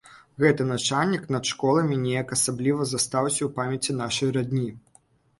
Гэты начальнік над школамі неяк асабліва застаўся ў памяці нашай радні.